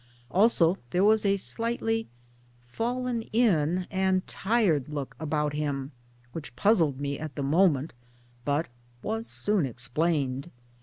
Also there was a slightly " fallen in " and tired look about him which puzzled me at the moment, but was soon explained.